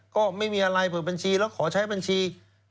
ก็ไม่มีอะไรเปิดบัญชีแล้วขอใช้บัญชี